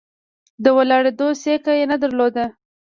د ولاړېدو سېکه یې نه درلوده.